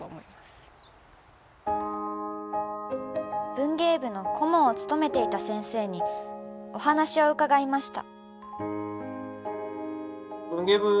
文芸部の顧問を務めていた先生にお話を伺いました。